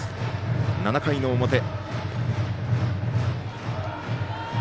７回の表。